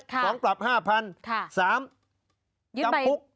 สองปรับห้าพันค่ะสามจำคุก